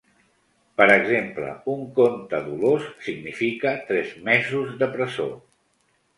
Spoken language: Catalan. Per exemple, un "conte dolós" significa "tres mesos de presó.